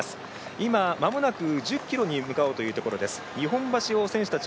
今、まもなく１０ｋｍに向かおうという選手たち。